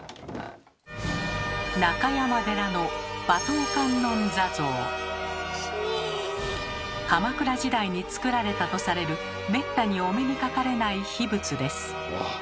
中山寺の鎌倉時代に造られたとされるめったにお目にかかれない秘仏です。